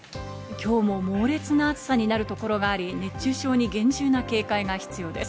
今日も猛烈な暑さになるところがあり、熱中症に厳重な警戒が必要です。